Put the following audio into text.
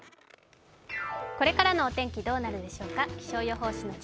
これからのお天気どうなるでしょうか。